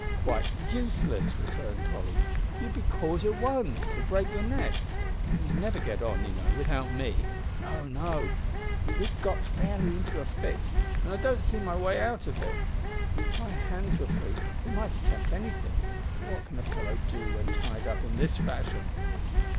"Quite useless," returned Tolly. "You'd be caught at once or break your neck. And you'd never get on, you know, without me. No, no, we've got fairly into a fix, an' I don't see my way out of it. If my hands were free we might attempt anything, but what can a fellow do when tied up in this fashion?"